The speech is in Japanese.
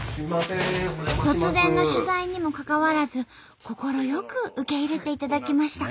突然の取材にもかかわらず快く受け入れていただきました。